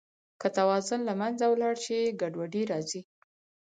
که توازن له منځه ولاړ شي، ګډوډي راځي.